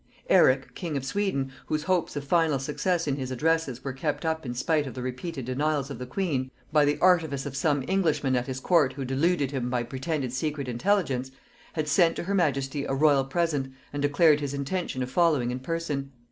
Eric king of Sweden, whose hopes of final success in his addresses were kept up in spite of the repeated denials of the queen, by the artifice of some Englishmen at his court who deluded him by pretended secret intelligence, had sent to her majesty a royal present, and declared his intention of following in person.